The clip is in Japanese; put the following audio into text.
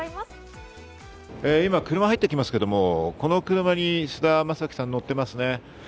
今、車が入ってきますけど、この車に菅田将暉さんが乗っています。